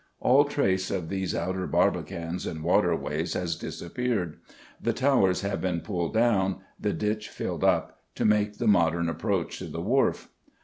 All trace of these outer barbicans and waterways has disappeared; the Towers have been pulled down, the ditch filled up, to make the modern approach to the Wharf.